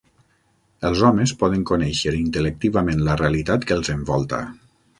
Els homes poden conèixer intel·lectivament la realitat que els envolta.